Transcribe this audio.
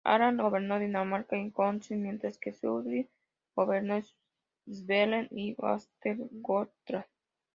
Harald gobernó Dinamarca y Östergötland, mientras que Sigurd gobernó Svealand y Västergötland.